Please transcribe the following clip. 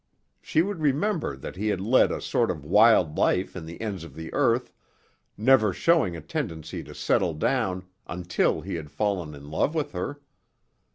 She would remember that he had led a sort of wild life in the ends of the earth, never showing a tendency to settle down until he had fallen in love with her.